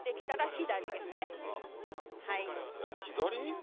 左？